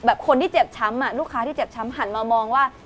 คนที่เจ็บช้ำลูกค้าที่เจ็บช้ำหันมามองว่า